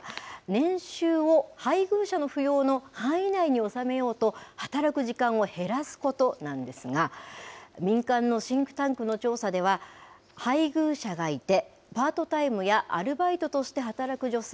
年収を配偶者の扶養の範囲内に収めようと、働く時間を減らすことなんですが、民間のシンクタンクの調査では、配偶者がいて、パートタイムやアルバイトとして働く女性